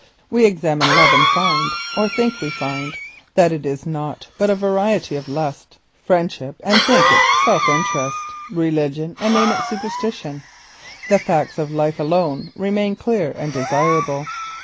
We examine love and find, or believe we find, that it is nought but a variety of passion; friendship, and think it self interest; religion, and name it superstition. The facts of life alone remain clear and desirable.